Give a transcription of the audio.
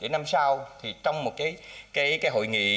năm sau trong một hội nghị để nhìn lại công tác và phòng chống tội phạm